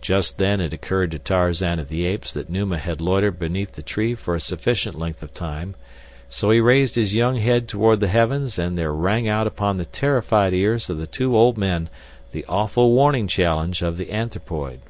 Just then it occurred to Tarzan of the Apes that Numa had loitered beneath the tree for a sufficient length of time, so he raised his young head toward the heavens, and there rang out upon the terrified ears of the two old men the awful warning challenge of the anthropoid.